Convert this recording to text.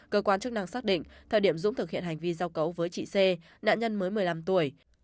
cơ quan chức năng xác định thời điểm dũng thực hiện hành vi giao cấu với chị c nạn nhân mới một mươi năm tuổi